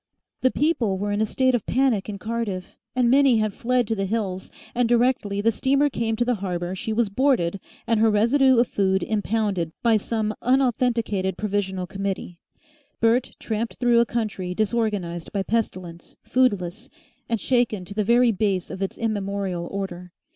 The people were in a state of panic in Cardiff and many had fled to the hills, and directly the steamer came to the harbour she was boarded and her residue of food impounded by some unauthenticated Provisional Committee. Bert tramped through a country disorganised by pestilence, foodless, and shaken to the very base of its immemorial order.